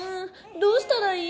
どうしたらいい？